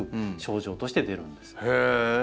へえ！